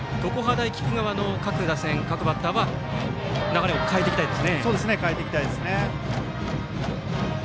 大菊川の各打線、各バッターは流れを変えていきたいところ。